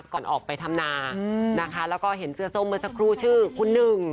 ก่อนออกไปทำนานะคะแล้วก็เห็นเสื้อส้มเมื่อสักครู่ชื่อคุณหนึ่ง